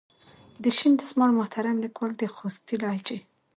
د شین دسمال محترم لیکوال د خوستي لهجې.